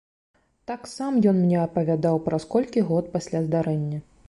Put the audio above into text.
Так сам ён мне апавядаў праз колькі год пасля здарэння.